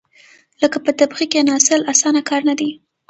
لکه په تبخي کېناستل، اسانه کار نه دی.